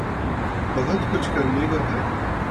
بہت کچھ کرنے کو ہے۔